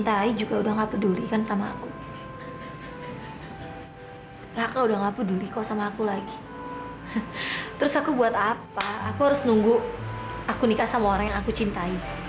dari mana non taura kau udah gak peduli dengan non talita